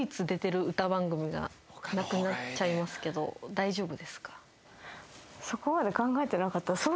大丈夫ですか？